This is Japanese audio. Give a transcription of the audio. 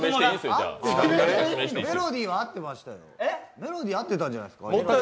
メロディーは合ってたんじゃないですかね。